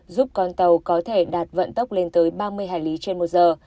giúp con tàu có thể đạt vận tốc lên tới ba mươi hải lý trên một giờ